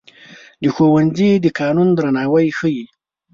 ښوونځی د قانون درناوی ښيي